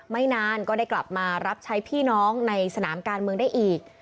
ไม่นานก็ได้กลับมารับใช้พี่น้องในสนามการเมืองได้อีก